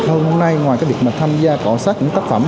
hôm nay ngoài việc tham gia cọ sắt những tác phẩm